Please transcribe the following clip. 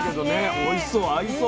おいしそう。